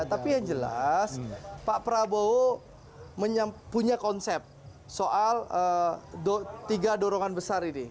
tapi yang jelas pak prabowo punya konsep soal tiga dorongan besar ini